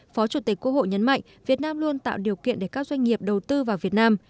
phó chủ tịch quốc hội nhấn mạnh việt nam luôn tạo điều kiện để các doanh nghiệp đầu tư vào việt nam